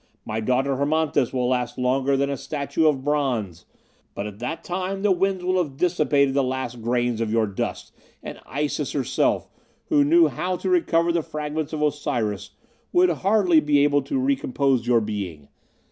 My daughter Hermonthis will last longer than a statue of bronze. But at that time the winds will have dissipated the last grains of your dust, and Isis herself, who knew how to recover the fragments of Osiris, would hardly be able to recompose your being.